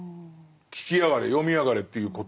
聴きやがれ読みやがれっていうこと。